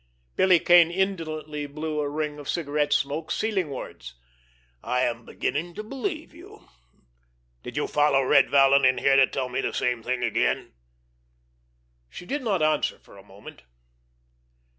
Billy Kane indolently blew a ring of cigarette smoke ceilingwards. "I am beginning to believe you. Did you follow Red Vallon in here to tell me the same thing again?" She did not answer for a moment.